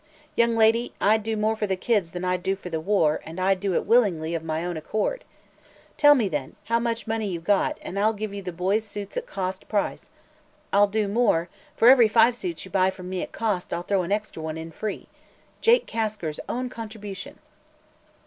Young lady, I'd do more for the kids than I'd do for the war and I'll do it willingly, of my own accord. Tell me, then, how much money you got and I'll give you the boys' suits at cost price. I'll do more; for every five suits you buy from me at cost, I'll throw an extra one in, free Jake Kasker's own contribution."